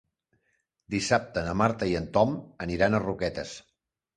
Dissabte na Marta i en Tom aniran a Roquetes.